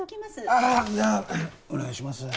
ああっではお願いします